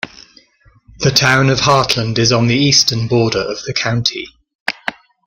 The Town of Hartland is on the eastern border of the county.